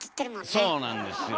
そうなんですよ。